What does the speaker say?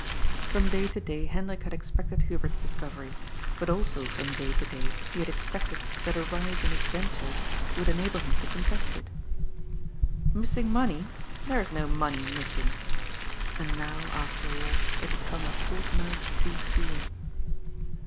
From day to day Hendrik had expected Hubert's discovery, but also from day to day he had expected that a rise in his ^^ ventures" would enable him to contest it "Missing money? There is no money missing!" And now, after all, it had come a fortnight too soon.